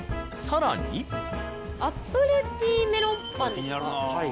アップルティーメロンパンですか。